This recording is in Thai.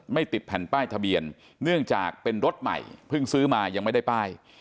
ติดแผ่นป้ายทะเบียนเนื่องจากเป็นรถใหม่เพิ่งซื้อมายังไม่ได้ป้าย